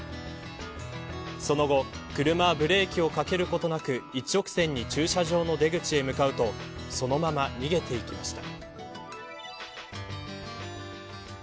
その後車はブレーキをかけることなく一直線に駐車場の出口へ向かうとそのまま逃げていきました。